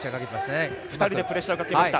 ２人でプレッシャーをかけました。